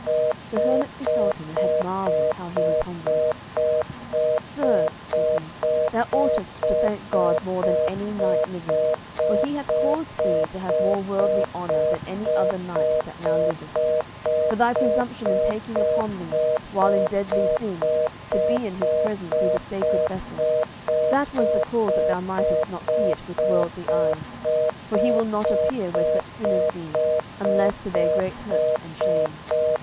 The hermit beheld him, and had marvel how he was humbled. "Sir," said he, "thou oughtest to thank God more than any knight living, for He hath caused thee to have more worldly honour than any other knight that now liveth. For thy presumption in taking upon thee, while in deadly sin, to be in His presence through the sacred vessel, that was the cause that thou mightest not see it with worldly eyes, for He will not appear where such sinners be, unless to their great hurt and shame.